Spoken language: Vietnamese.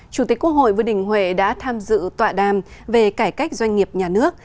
chủ tịch quốc hội vương đình huệ đã tham dự tọa đàm về cải cách doanh nghiệp nhà nước